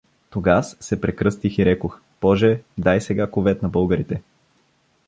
Тогаз се прекръстих и рекох; боже, дай сега кувет на българите.